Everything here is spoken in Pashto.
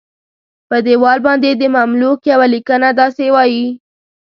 په دیوال باندې د مملوک یوه لیکنه داسې وایي.